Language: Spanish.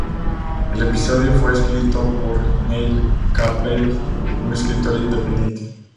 El episodio fue escrito por Neil Campbell, un escritor independiente.